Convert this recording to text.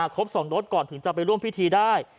ครบ๒โดสก่อนถึงจะไปร่วมพิธีได้